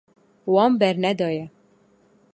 Wan bernedaye.